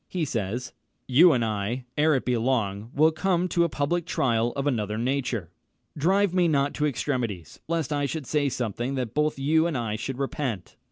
He says, "You and I, ere it be long, will come to a public trial of another nature." "Drive me not to extremities, lest I should say something that both you and I should repent."